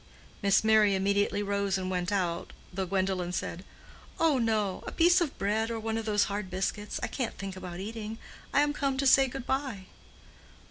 Miss Merry immediately rose and went out, though Gwendolen said, "Oh, no, a piece of bread, or one of those hard biscuits. I can't think about eating. I am come to say good bye."